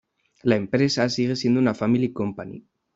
La empresa sigue siendo una family company.